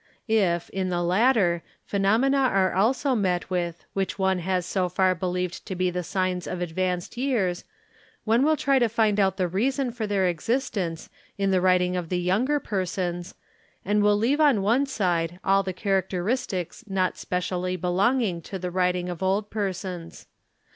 If, in the latter, phenomena are also met with which oni has so far believed to be signs of advanced years, one will try to find ou the reason for their existence in the writing of the younger persons, an will leave on one side all the characteristics not specially belongin, to the writing of old persons.